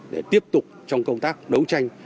để tiếp tục trong công tác đấu tranh